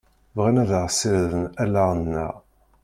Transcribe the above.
Bɣan ad ɣ-sirden allaɣ-nneɣ.